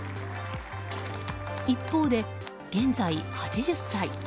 一方で、現在８０歳。